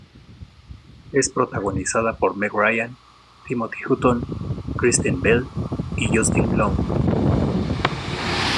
Es protagonizada por Meg Ryan, Timothy Hutton, Kristen Bell y Justin Long.